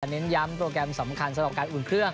เน้นย้ำโปรแกรมสำคัญสำหรับการอุ่นเครื่อง